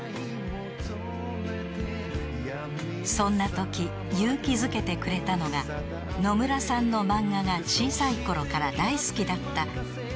［そんなとき勇気づけてくれたのがのむらさんの漫画が小さいころから大好きだった］